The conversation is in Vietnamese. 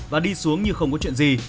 và đi xuống như không có chuyện gì